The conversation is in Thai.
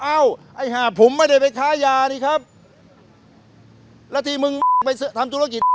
ไอ้ห้าผมไม่ได้ไปค้ายานี่ครับแล้วที่มึงไปทำธุรกิจ